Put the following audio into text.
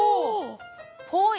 ぽい！